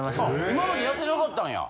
今までやってなかったんや？